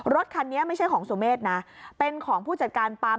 รถคันนี้ไม่ใช่ของสุเมฆนะเป็นของผู้จัดการปั๊ม